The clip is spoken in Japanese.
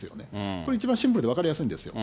これ一番シンプルで分かりやすいんですよ。